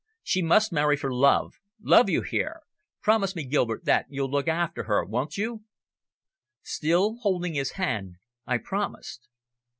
She must marry for love love, you hear? Promise me, Gilbert, that that you'll look after her, won't you?" Still holding his hand, I promised.